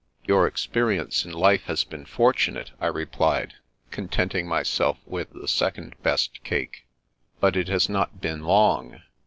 " Your experience in life has been fortunate," I replied, contenting myself with the second best cake. " But it has not been long.